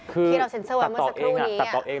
คือตัดต่อเอง